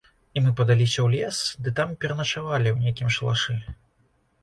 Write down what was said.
І мы падаліся ў лес ды там пераначавалі ў нейкім шалашы.